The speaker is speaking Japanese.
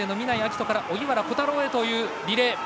翔から荻原虎太郎というリレー。